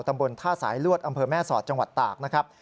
ตำบลท่าสายลวดอำเภอแม่สอดจังหวัดตากนะครับ